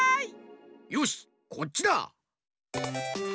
よしこっちだ！